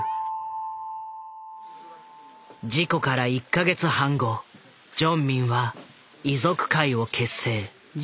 事故から１か月半後ジョンミンは遺族会を結成。